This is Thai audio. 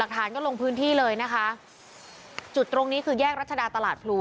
ฐานก็ลงพื้นที่เลยนะคะจุดตรงนี้คือแยกรัชดาตลาดพลู